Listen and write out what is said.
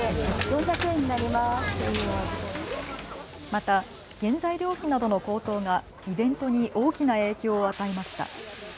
また原材料費などの高騰がイベントに大きな影響を与えました。